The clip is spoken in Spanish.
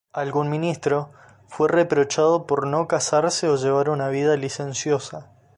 Algún ministro fue reprochado por no casarse o llevar una vida licenciosa.